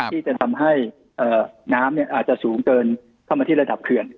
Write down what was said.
ที่จะทำให้น้ำอาจจะสูงเกินเข้ามาที่ระดับเขื่อน